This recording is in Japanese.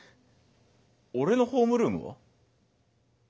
俺のホームルームは？